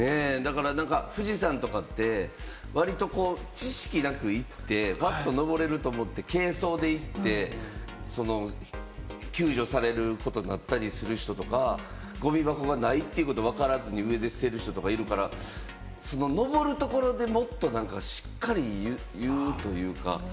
富士山とかって、知識なく行って、ぱっと登れると思って軽装で行って、救助されることになったりする人とか、ゴミ箱がないってことをわからずに上で捨てる人とかいるから、その登るところでもっとしっかり言うというか。